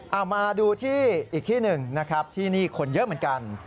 เอามาดูที่อีกที่หนึ่งนะครับที่นี่คนเยอะเหมือนกัน